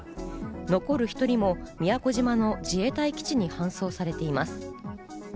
残る１人も宮古島の自衛隊基地に搬送されています。